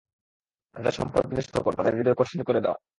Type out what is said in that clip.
তাদের সম্পদ বিনষ্ট কর, তাদের হৃদয় কঠিন করে দাও।